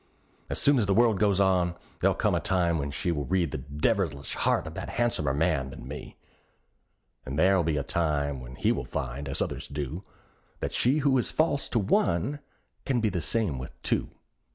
As sure as the world goes on, there'll come a time when she Will read the devilish heart of that han'somer man than me; And there'll be a time when he will find, as others do, That she who is false to one can be the same with two.